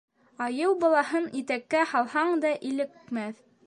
Айыу балаһын итәккә һалһаң да илекмәҫ